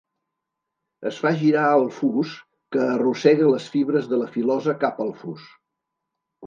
Es fa girar el fus, que arrossega les fibres de la filosa cap al fus.